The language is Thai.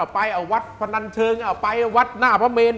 ไปวัดพนันเชิงไปวัดหน้าพระเมน